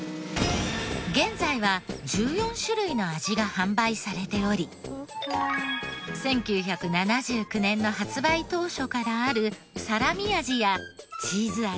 現在は１４種類の味が販売されており１９７９年の発売当初からあるサラミ味やチーズ味